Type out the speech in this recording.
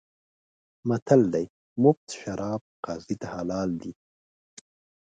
متل دی: مفت شراب قاضي ته حلال دي.